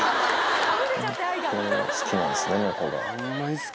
本当好きなんですね、猫が。